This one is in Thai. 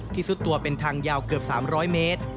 ซุดตัวเป็นทางยาวเกือบ๓๐๐เมตร